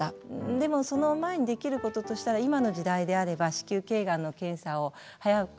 でもその前にできることとしたら今の時代であれば子宮けいがんの検査を早く受けていただく。